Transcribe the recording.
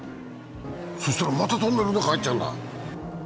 そしたら、またトンネルの中入っちゃうんだ。